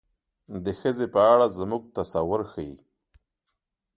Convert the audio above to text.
د ښځې په اړه زموږ تصور ښيي.